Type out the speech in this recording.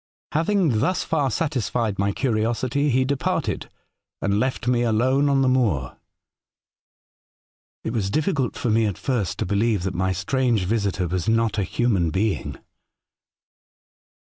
Having thus far satis fied my curiosity, he departed and left me alone on the moor. '' It was difficult for me at first to believe that my strange visitor was not a human being.